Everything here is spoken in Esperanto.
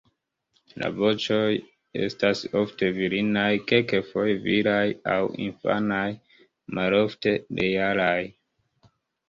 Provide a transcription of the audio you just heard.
La voĉoj estas ofte virinaj, kelkfoje viraj aŭ infanaj, malofte realaj.